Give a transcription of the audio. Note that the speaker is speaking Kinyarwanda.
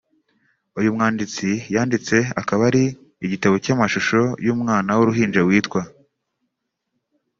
uyu mwanditsi yanditse akaba ari igitabo cy’amashusho y’umwana w’uruhinja witwa